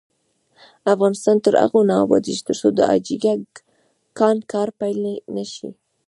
افغانستان تر هغو نه ابادیږي، ترڅو د حاجي ګک کان کار پیل نشي.